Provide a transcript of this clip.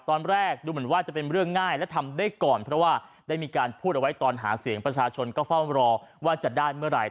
ตอนแรกดูเหมือนว่าจะเป็นเรื่องง่ายและทำได้ก่อนเพราะว่าได้มีการพูดเอาไว้ตอนหาเสียงประชาชนก็เฝ้ารอว่าจะได้เมื่อไหร่